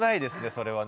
それはね。